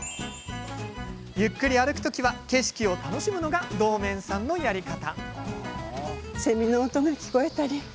ゆっくり歩く時は、景色を楽しむのが堂面さんのやり方。